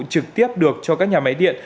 trực tiếp được cho các nhà máy điện